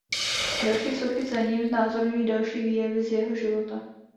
Další sochy na ním znázorňují další výjevy z jeho života.